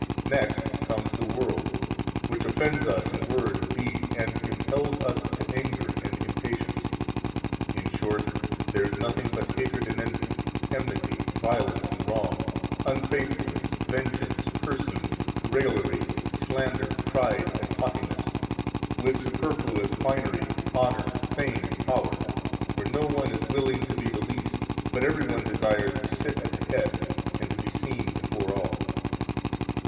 103 Next comes the world, which offends us in word and deed, and impels us to anger, and impatience. In short, there is nothing but hatred and envy, enmity, violence and wrong, unfaithfulness, vengeance, cursing, raillery, slander, pride and haughtiness, with superfluous finery, honor, fame, and power, where no one is willing to be the least, but every one desires to sit at the head and to be seen before all.